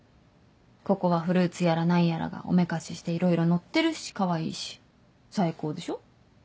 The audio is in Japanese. ここはフルーツやら何やらがおめかししていろいろのってるしかわいいし最高でしょ？